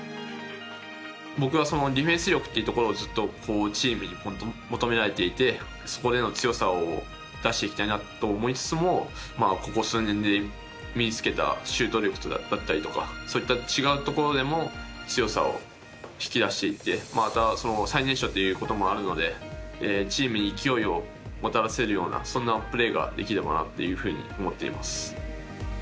僕はディフェンス力というところをチームに求められていてそこでの強さを出していきたいなと思いつつもここ数年で身につけたシュート力だったりとかそういった違うところでも強さを引き出していって最年少ということもあるのでチームに勢いをもたらせるようなそんなプレーができればなというふうに思っています。